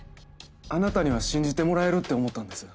あなたには信じてもらえるって思ったんです。